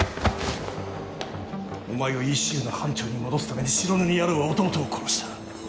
お前をＥＣＵの班長に戻すために白塗り野郎は弟を殺した。